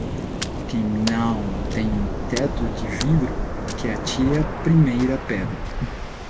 Quem não tem teto de vidro que atire a primeira pedra